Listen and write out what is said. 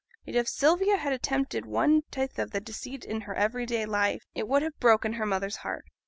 Yet if Sylvia had attempted one tithe of this deceit in her every day life, it would have half broken her mother's heart.